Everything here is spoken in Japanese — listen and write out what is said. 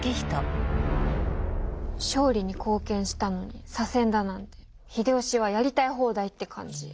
勝利に貢献したのに左遷だなんて秀吉はやりたい放題って感じ！